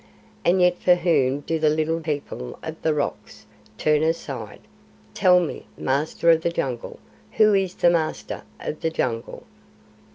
And yet for whom do the Little People of the Rocks turn aside? Tell me, Master of the Jungle, who is the Master of the Jungle?"